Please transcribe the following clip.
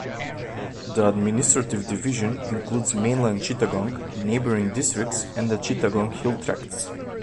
The administrative division includes mainland Chittagong, neighbouring districts and the Chittagong Hill Tracts.